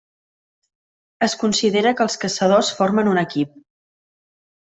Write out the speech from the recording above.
Es considera que els caçadors formen un equip.